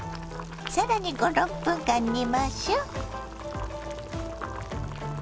更に５６分間煮ましょ。